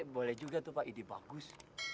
boleh juga tuh pak ide bagus